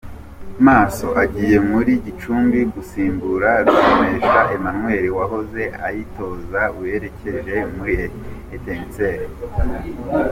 Maso agiye muri Gicumbi gusimbura Ruremesha Emmanuel wahoze ayitoza werekeje muri Etincelles.